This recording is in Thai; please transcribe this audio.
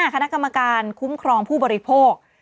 คณะกรรมการคุ้มครองผู้บริโภค